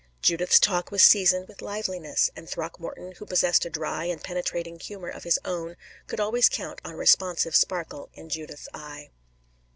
Judith's talk was seasoned with liveliness, and Throckmorton, who possessed a dry and penetrating humor of his own, could always count on a responsive sparkle in Judith's eye.